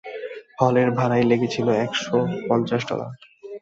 হলের ভাড়াই লেগেছিল একশো পঞ্চাশ ডলার।